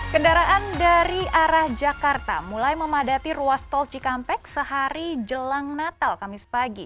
kendaraan dari arah jakarta mulai memadati ruas tol cikampek sehari jelang natal kamis pagi